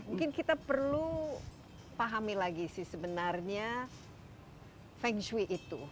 mungkin kita perlu pahami lagi sih sebenarnya feng shui itu